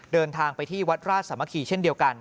เดินทางไปที่วัดราชสามัคคีเช่นเดียวกัน